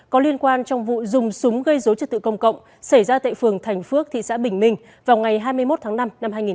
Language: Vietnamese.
có liên quan trong vụ dùng súng gây dối trật tự công cộng xảy ra tại phường thành phước thị xã bình minh vào ngày hai mươi một tháng năm năm hai nghìn hai mươi ba